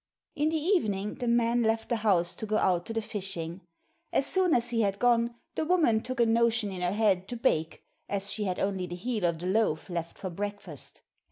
In the evening the man left the house to go out to the fishing. As soon as he had gone the woman took a notion in her head to bake, as she had only the heel o' the loaf left for breakfast.